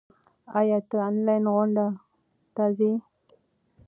ایا ته آنلاین غونډو ته ځې؟